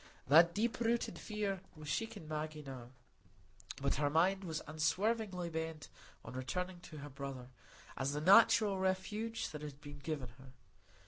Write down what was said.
That deep rooted fear was shaking Maggie now; but her mind was unswervingly bent on returning to her brother, as the natural refuge that had been given her.